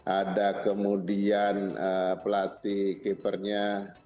ada kemudian pelatih keepernya